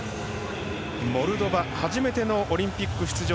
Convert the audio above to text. モルドバ初めてのオリンピック出場。